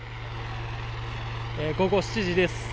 午後７時です。